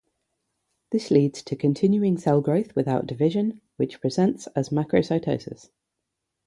This leads to continuing cell growth without division, which presents as macrocytosis.